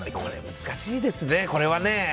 難しいですね、これは。